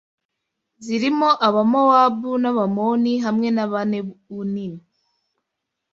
zirimo Abamowabu n’Abamoni hamwe n’Abanewunimu